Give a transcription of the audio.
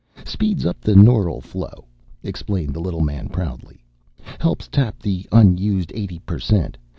"Speeds up the neural flow," explained the little man proudly. "Helps tap the unused eighty per cent.